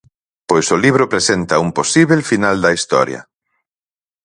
Pois o libro presenta un posíbel final da Historia.